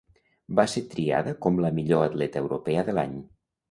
Va ser triada com la millor atleta europea de l'any.